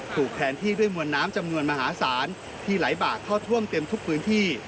ถูกแทนที่ด้วยมวลน้ำจำนวนมหาศาลที่ไหลบากเข้าท่วมเต็มทุกพื้นที่